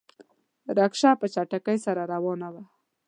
رکشه په چټکۍ سره روانه وه.